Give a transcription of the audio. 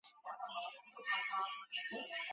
在中共十六大上当选中纪委委员。